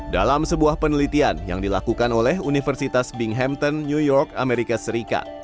dalam sebuah penelitian yang dilakukan oleh universitas binghamton new york amerika serikat